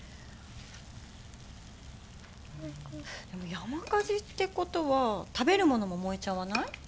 でも山火事ってことは食べるものも燃えちゃわない？